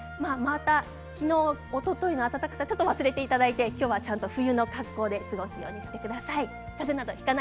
昨日、おとといの暖かさを忘れていただいて、今日は冬の格好で過ごすようにしてください。